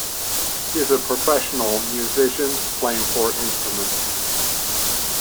He is a professional musician, playing four instruments.